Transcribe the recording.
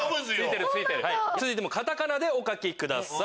続いてもカタカナでお書きください。